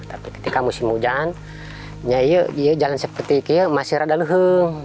tapi ketika musim hujan jalan seperti ini masih agak luhur